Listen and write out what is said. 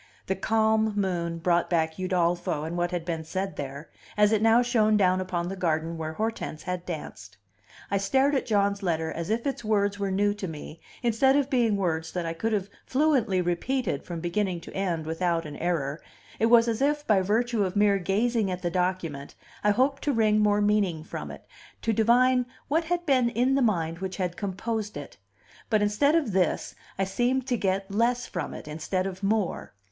The calm moon brought back Udolpho and what had been said there, as it now shone down upon the garden where Hortense had danced. I stared at John's letter as if its words were new to me, instead of being words that I could have fluently repeated from beginning to end without an error; it was as if, by virtue of mere gazing at the document, I hoped to wring more meaning from it, to divine what had been in the mind which had composed it; but instead of this, I seemed to get less from it, instead of more.